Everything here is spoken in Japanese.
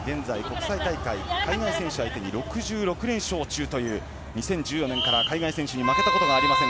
海外選手相手に６６連勝中という２０１４年から海外選手に負けたことがありません